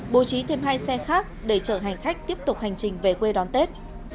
bố trí thêm hai xe khác để chở hành khách tiếp tục hành trình về quê đón tết